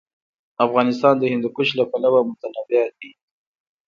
افغانستان د هندوکش له پلوه متنوع دی.